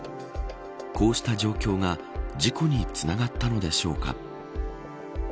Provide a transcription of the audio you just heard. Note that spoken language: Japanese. こうした状況が事故につながったのでしょうか。